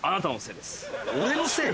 俺のせい？